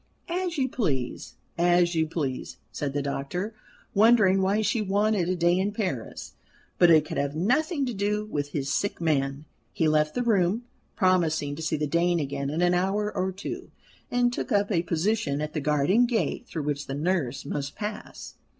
"As you please, as you please," said the doctor, wondering why she wanted a day in Paris; but it could have nothing to do with his sick man. He left the room, promising to see the Dane again in an hour or two, and took up a position at the garden gate through which the nurse must pass.